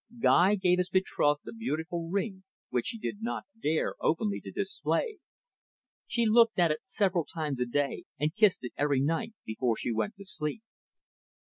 Guy gave his betrothed a beautiful ring which she did not dare openly to display. She looked at it several times a day, and kissed it every night before she went to sleep.